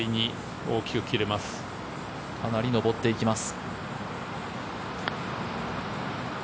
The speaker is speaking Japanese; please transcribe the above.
かなり上っていきます。